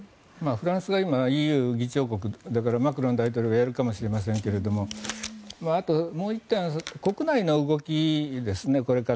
フランスが今ＥＵ議長国だからマクロン大統領がやるかもしれませんがあと、もう１点これからは国内の動きですね。